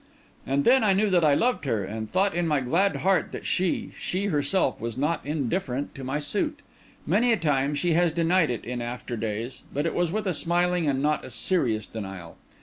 And then I knew that I loved her, and thought in my glad heart that she—she herself—was not indifferent to my suit. Many a time she has denied it in after days, but it was with a smiling and not a serious denial.